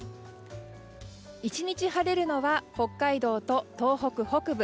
１日晴れるのは北海道と東北北部